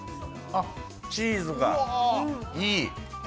あ、チーズがいい。